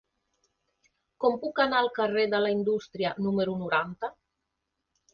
Com puc anar al carrer de la Indústria número noranta?